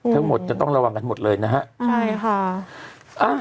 ทั้งหมดจะต้องระวังกันหมดเลยนะฮะใช่ค่ะ